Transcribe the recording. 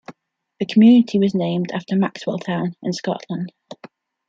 The community was named after Maxwelltown, in Scotland.